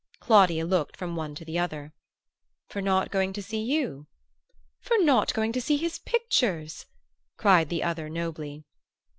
Claudia looked from one to the other. "For not going to see you?" "For not going to see his pictures!" cried the other nobly.